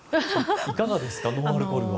いかがですかノンアルコールは。